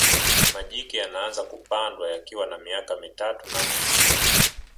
majike yanaanza kupandwa yakiwa na miaka mitatu na nusu